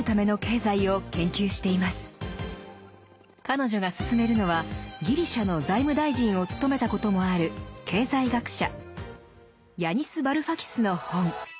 彼女が薦めるのはギリシャの財務大臣を務めたこともある経済学者ヤニス・バルファキスの本。